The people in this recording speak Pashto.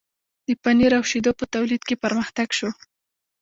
د پنیر او شیدو په تولید کې پرمختګ شو.